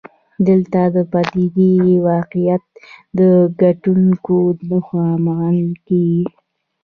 دلته د پدیدې واقعیت د کتونکو لخوا منل کېږي.